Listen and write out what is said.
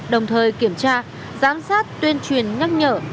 đồng thời kiểm tra giám sát tuyên truyền nhắc nhở